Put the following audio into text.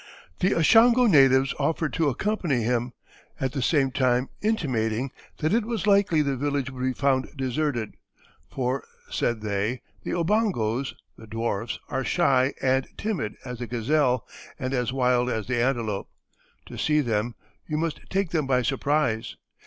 The Ashango natives offered to accompany him, at the same time intimating that it was likely the village would be found deserted; for, said they, the Obongos (the dwarfs) are shy and timid as the gazelle, and as wild as the antelope. To see them, you must take them by surprise.